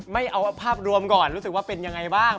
ไม่เอาภาพรวมก่อนรู้สึกว่าเป็นยังไงบ้าง